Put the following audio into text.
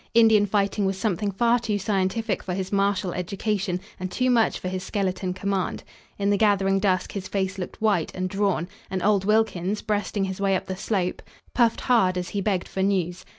Indian fighting was something far too scientific for his martial education and too much for his skeleton command. In the gathering dusk his face looked white and drawn, and old Wilkins, breasting his way up the slope, puffed hard, as he begged for news.